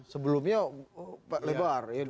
sebelumnya lebar ya